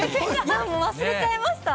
もう忘れちゃいました。